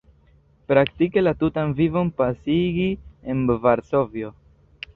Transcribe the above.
Praktike la tutan vivon pasigi en Varsovio.